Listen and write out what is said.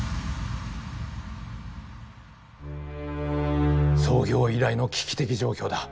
創業以来の危機的状況だ。